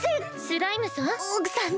スライムさん？